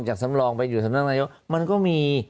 สำรองไปอยู่สำนักนายกมันก็มี